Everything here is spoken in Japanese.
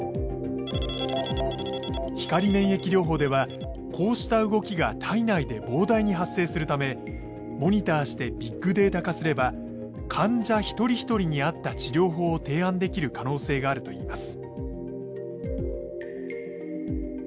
光免疫療法ではこうした動きが体内で膨大に発生するためモニターしてビッグデータ化すれば患者一人一人に合った治療法を提案できる可能性があるといいます。